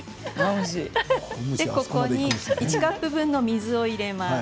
１カップ分の水を入れます。